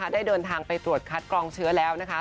ได้เดินทางไปตรวจคัดกรองเชื้อแล้วนะคะ